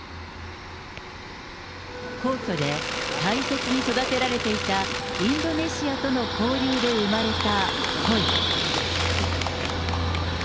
皇居で大切に育てられていたインドネシアとの交流で生まれたコイ。